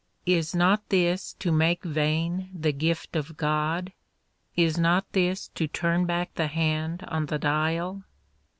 Is not this to make vain the gift of God f Is not this to turn back the hand on the dial?